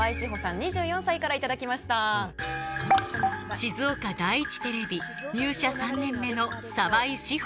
静岡第一テレビ入社３年目の澤井志帆